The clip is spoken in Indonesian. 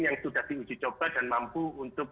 yang sudah diuji coba dan mampu untuk